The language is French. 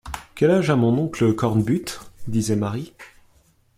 Quel âge a mon oncle Cornbutte? disait Marie.